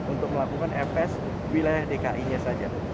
untuk melakukan fs wilayah dki nya saja